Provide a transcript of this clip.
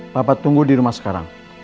bapak tunggu di rumah sekarang